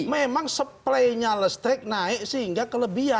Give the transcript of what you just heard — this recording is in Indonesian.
memang supply nya listrik naik sehingga kelebihan